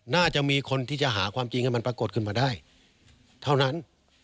น่าจะมีคนที่จะหาความจริงให้มันปรากฏขึ้นมาได้เท่านั้น